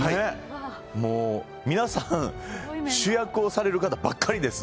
もう、皆さん、主役をされる方ばっかりです。